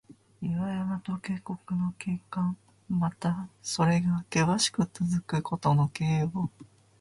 岩山と渓谷の景観。また、それがけわしくつづくことの形容。